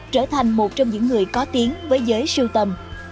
trở thành một trong những người có tiếng với giới siêu tầm